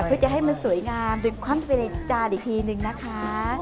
เพื่อจะให้มันสวยงามดึกความเวลาจานอีกทีหนึ่งนะคะ